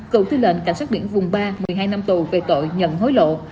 cầu tư lệnh cảnh sát biển vùng ba một mươi hai năm tù về tội nhận hối lộ